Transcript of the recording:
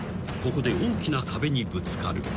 ここで大きな壁にぶつかる］